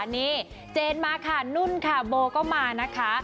นี่เจนมาค่ะนุ่นค่ะโบก็มานะคะ